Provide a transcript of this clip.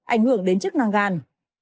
ảnh hưởng đến chức năng gai